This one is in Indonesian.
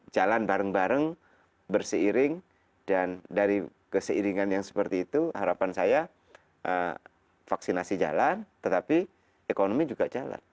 jalan bareng bareng berseiring dan dari keseiringan yang seperti itu harapan saya vaksinasi jalan tetapi ekonomi juga jalan